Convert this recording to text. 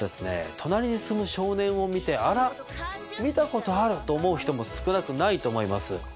隣に住む少年を見て「あら？見たことある」と思う人も少なくないと思います。